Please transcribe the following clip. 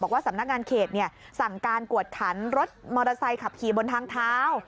สำนักงานเขตสั่งการกวดขันรถมอเตอร์ไซค์ขับขี่บนทางเท้า